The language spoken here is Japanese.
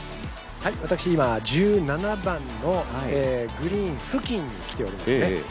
私、今、１７番のグリーン付近に来ておりますね。